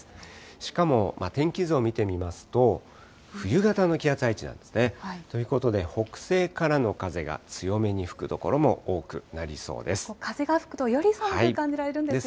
しかも天気図を見てみますと、冬型の気圧配置なんですね。ということで、北西からの風が強めに吹く所も多くなりそうです。